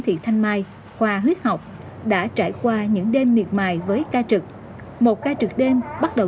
thị thanh mai khoa huyết học đã trải qua những đêm miệt mài với ca trực một ca trực đêm bắt đầu